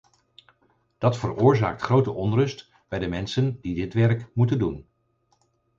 Dat veroorzaakt grote onrust bij de mensen die dit werk moeten doen.